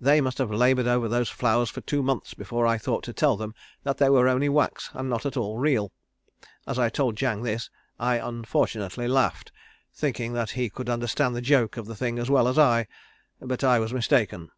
They must have laboured over those flowers for two months before I thought to tell them that they were only wax and not at all real. As I told Jang this, I unfortunately laughed, thinking that he could understand the joke of the thing as well as I, but I was mistaken.